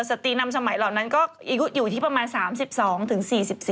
สตินำสมัยเหล่านั้นก็อายุอยู่ที่ประมาณ๓๒ถึง๔๔